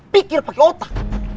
pikir pake otak